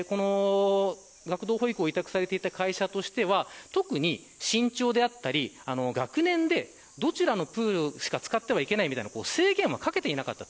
学童保育を委託されていた会社としては特に、身長であったり学年でどちらのプールしか使ってはいけないみたいな制限はかけていなかった。